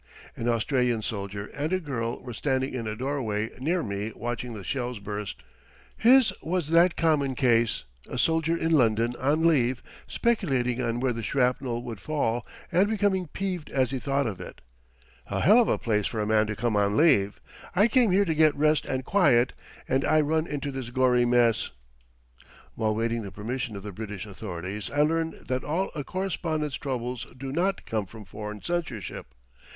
An Australian soldier and a girl were standing in a doorway near me watching the shells burst. His was that common case a soldier in London on leave, speculating on where the shrapnel would fall, and becoming peeved as he thought of it. "A hell of a place for a man to come on leave! I came here to get rest and quiet, and I run into this gory mess!" While waiting the permission of the British authorities I learned that all a correspondent's troubles do not come from foreign censorship.